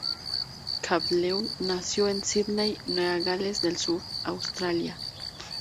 Caldwell nació en Sídney, Nueva Gales del Sur, Australia.